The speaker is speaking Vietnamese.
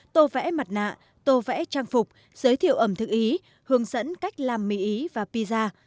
tô vẽ mặt nạ tô vẽ trang phục giới thiệu ẩm thực ý hướng dẫn cách làm mỹ ý và piza